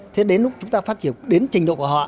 thế đến lúc chúng ta phát triển đến trình độ của họ